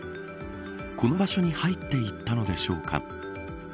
この場所に入っていったのでしょうか。